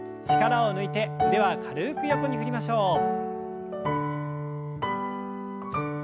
力を抜いて腕は軽く横に振りましょう。